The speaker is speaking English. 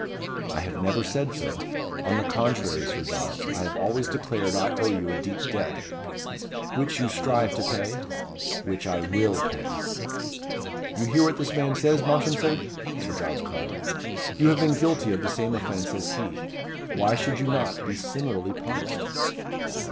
"I have never said so. On the contrary, Sir Giles, I have always declared I owe you a deep debt." "Which you strive to pay?" "Which I will pay." "You hear what this man says, Mounchensey?" Sir Giles cried. "You have been guilty of the same offence as he. Why should you not be similarly punished?"